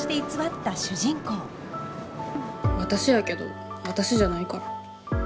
私やけど私じゃないから。